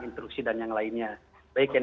instruksi dan yang lainnya baik yang